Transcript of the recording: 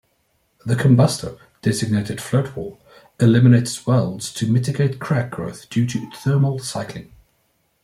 The combustor, designated Floatwall, eliminates welds to mitigate crack growth due to thermal cycling.